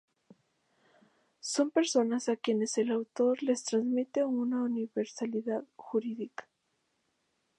Son personas a quienes el autor les transmite una universalidad jurídica.